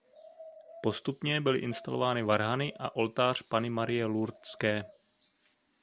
Postupně byly instalovány varhany a oltář Panny Marie Lurdské.